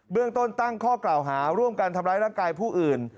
เรื่องต้นตั้งข้อกล่าวหาร่วมกันทำร้ายร่างกายผู้อื่น